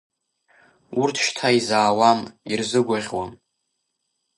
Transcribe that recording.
Урҭ шьҭа изаауам, ирзыгәаӷьуам…